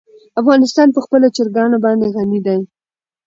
افغانستان په خپلو چرګانو باندې غني دی.